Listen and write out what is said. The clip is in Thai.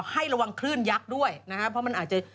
ให้ระวังคลื่นยักษ์ด้วยนะครับเพราะมันอาจจะ